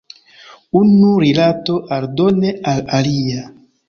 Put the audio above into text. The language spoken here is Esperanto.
Unu rilato aldone al alia.